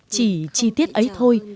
chỉ chi tiết ấy thôi